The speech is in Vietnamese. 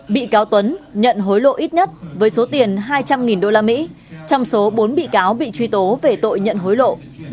bị cáo tuấn nhận hối lộ ít nhất với số tiền hai trăm linh usd trong số bốn bị cáo bị truy tố về tội nhận hối lộ